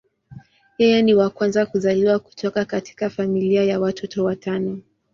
Yeye ni wa kwanza kuzaliwa kutoka katika familia ya watoto watano.